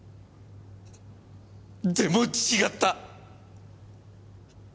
でも違った。